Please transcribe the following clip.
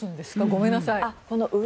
ごめんなさい。